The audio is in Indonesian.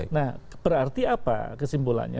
nah berarti apa kesimpulannya